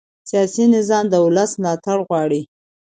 سیاسي نظام د ولس ملاتړ غواړي